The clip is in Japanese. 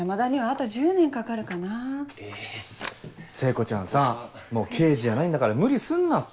聖子ちゃんさぁもう刑事じゃないんだから無理すんなって。